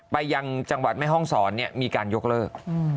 ยังจังหวัดแม่ห้องศรมีการยกเลิก